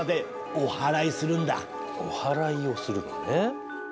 おはらいをするのね。